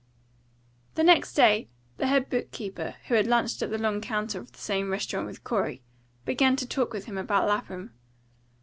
The next day the head book keeper, who lunched at the long counter of the same restaurant with Corey, began to talk with him about Lapham.